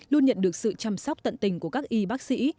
luôn nhận được sự chăm sóc tận tình của các y bác sĩ